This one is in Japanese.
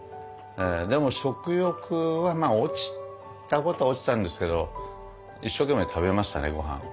でも食欲は落ちたことは落ちたんですけど一生懸命食べましたねごはん。